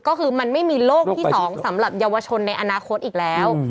ก็คือมันไม่มีโลกที่๒สำหรับเยาวชนในอนาคตอีกแล้ว